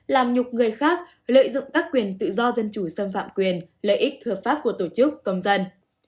làm nhục người khác lợi dụng các quyền tự do dân chủ xâm phạm quyền lợi ích hợp pháp của tổ chức công dân